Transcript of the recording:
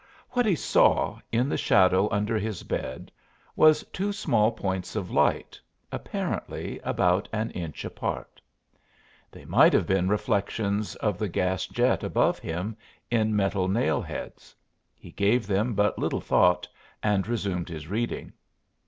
What he saw, in the shadow under his bed, was two small points of light, apparently about an inch apart. They might have been reflections of the gas jet above him, in metal nail heads; he gave them but little thought and resumed his reading.